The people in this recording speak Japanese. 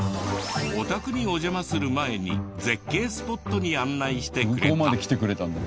お宅にお邪魔する前に絶景スポットに案内してくれた。